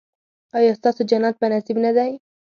ایا ستاسو جنت په نصیب نه دی؟